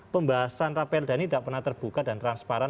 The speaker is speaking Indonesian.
pembahasan raperda ini tidak pernah terbuka dan transparan